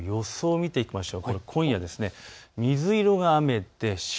見ていきましょう。